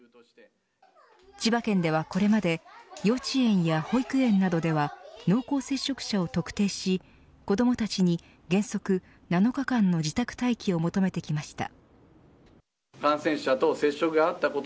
千葉県では、これまで幼稚園や保育園などでは濃厚接触者を特定し子どもたちに、原則７日間の自宅待機を求めてきました。